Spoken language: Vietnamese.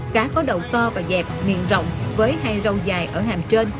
cá có đầu to và dẹp miệng rộng với hai râu dài ở hàm trên